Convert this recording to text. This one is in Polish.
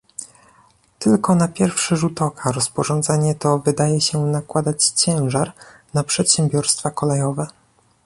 Tylko na pierwszy rzut oka rozporządzenie to wydaje się nakładać ciężar na przedsiębiorstwa kolejowe